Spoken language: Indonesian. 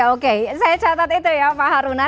oke saya catat itu ya pak haruna